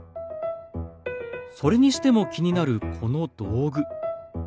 それにしても気になるこの道具。